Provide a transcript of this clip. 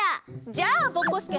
じゃあぼこすけ